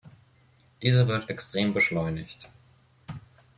Dieser wird extrem beschleunigt.